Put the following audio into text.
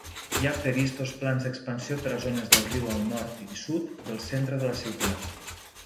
Hi ha previstos plans d'expansió per a zones del riu al nord i sud del centre de la ciutat.